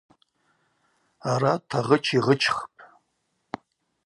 Арат агъыч йгъычхпӏ.